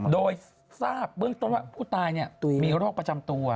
โดยทราบเบื้องต้นว่าผู้ตายมีโรคประจำตัว